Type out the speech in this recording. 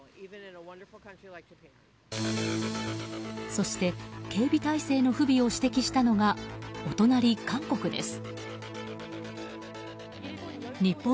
そして、警備態勢の不備を指摘したのが、お隣・韓国です。